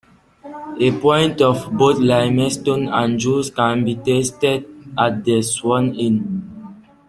A pint of both Lymestone and Joules can be tasted at the Swan Inn.